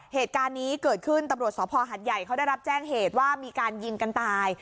เหตุการณ์นี้เกิดขึ้นตำรวจสภหัดใหญ่เขาได้รับแจ้งเหตุว่ามีการยิงกันตาย